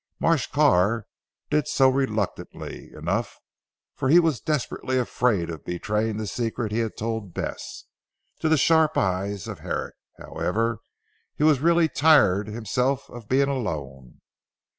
Marsh Carr did so reluctantly enough, for he was desperately afraid of betraying the secret he had told Bess, to the sharp eyes of Herrick. However he was really tired himself of being alone.